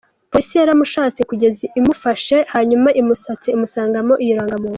Polisi yaramushatse kugeza imufashe; hanyuma imusatse imusangana iyo rangamuntu.